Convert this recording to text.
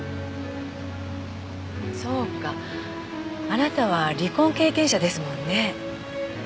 そうかあなたは離婚経験者ですものね。